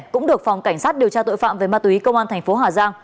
cũng được phòng cảnh sát điều tra tội phạm về ma túy công an thành phố hà giang